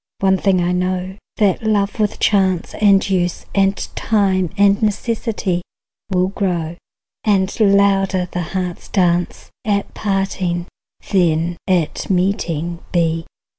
One thing I know, that love with chance And use and time and necessity Will grow, and louder the heart's dance At parting than at meeting be.